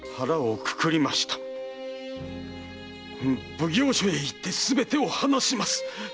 奉行所へ行ってすべてを話します！